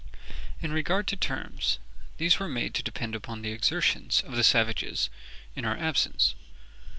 In regard to terms, these were made to depend upon the exertions of the savages in our absence.